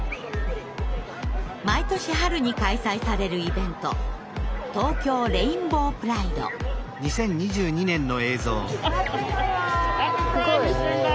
毎年春に開催されるイベントすごい人気。